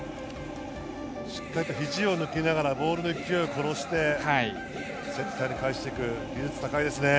しっかりと肘を抜きながらボールの勢いを殺してセッターに返していく技術が高いですね。